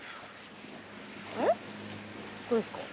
えっこれですか？